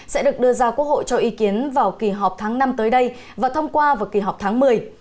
sẽ được đưa ra quốc hội cho ý kiến vào kỳ họp tháng năm tới đây và thông qua vào kỳ họp tháng một mươi